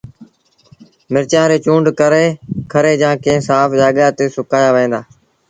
مرچآݩ ريٚ چُونڊ ڪري کري جآݩ ڪݩهݩ سآڦ جآڳآ تي سُڪآيآ وهن دآ